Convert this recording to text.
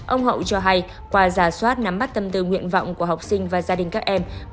ông hậu cho hay qua giả soát nắm bắt tâm tư nguyện vọng của học sinh và gia đình các em